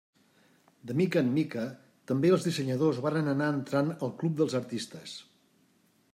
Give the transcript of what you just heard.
De mica en mica, també els dissenyadors varen anar entrant al club dels artistes.